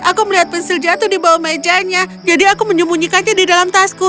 aku melihat pensil jatuh di bawah mejanya jadi aku menyembunyikannya di dalam tasku